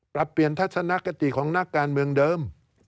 ปรับเปลี่ยนทัศนคติของนักการเมืองเดิม